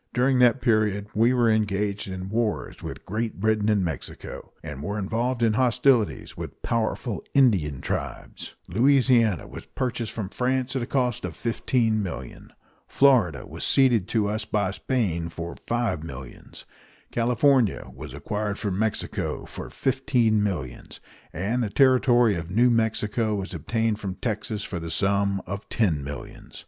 During that period we were engaged in wars with Great Britain and Mexico, and were involved in hostilities with powerful Indian tribes; Louisiana was purchased from France at a cost of $15,000,000; Florida was ceded to us by Spain for five millions; California was acquired from Mexico for fifteen millions, and the territory of New Mexico was obtained from Texas for the sum of ten millions.